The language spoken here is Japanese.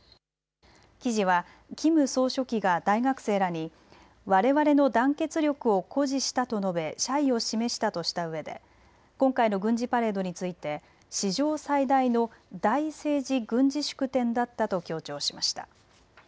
記事はキム総書記が大学生らにわれわれの団結力を誇示したと述べ謝意を示したとしたうえで今回の軍事パレードについて史上最大の大政治・軍事祝典だったと強調しました。